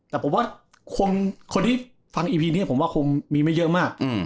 แต่ผมว่าคนที่ฟังอีพีนี้ผมว่าคงมีไม่เยอะมาก